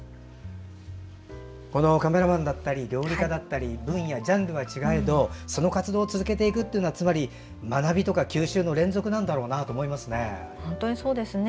カメラマンだったり料理家だったり分野、ジャンルは違えどその活動を続けていくことはつまり、学びとか吸収の連続なんだろうなと思いますね。